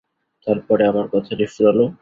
তার পরে আমার কথাটি ফুরালো।